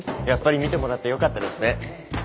やっぱり見てもらってよかったですね。